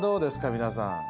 皆さん。